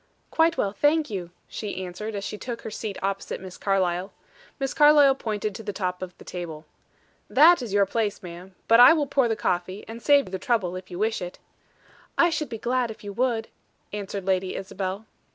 "Quite well, thank you," she answered, as she took her seat opposite Miss Carlyle. Miss Carlyle pointed to the top of the table. "That is your place, ma'am; but I will pour out the coffee, and save you the trouble, if you wish it." "I should be glad if you would," answered Lady Isabel.